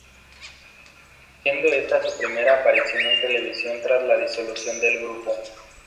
Siendo esta su primera aparición en televisión tras la disolución del grupo.